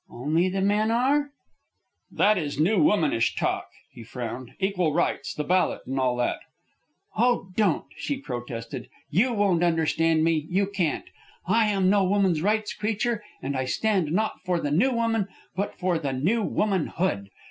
"Only the men are?" "That is new womanish talk," he frowned. "Equal rights, the ballot, and all that." "Oh! Don't!" she protested. "You won't understand me; you can't. I am no woman's rights' creature; and I stand, not for the new woman, but for the new womanhood.